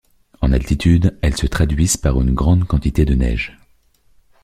En altitude, elles se traduisent par une grande quantité de neige.